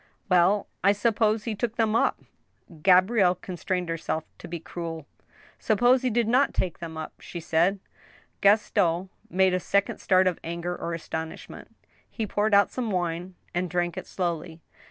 Well, I suppose he took them up I " Gabrielle constrained herself to be cruel. *' Suppose he did not take them up ?" she said. Gaston made a second start of anger or astonishment. He poured out some wine, and drank it slowly.